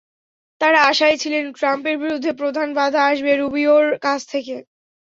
তাঁরা আশায় ছিলেন, ট্রাম্পের বিরুদ্ধে প্রধান বাধা আসবে রুবিওর কাছ থেকে।